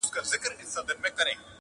قلندر ولاړ وو خوله يې ښورېدله!.